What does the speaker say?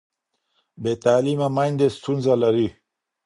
بې تعلیمه میندې ستونزه لري.